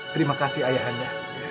terima kasih ayah anda